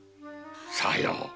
さよう。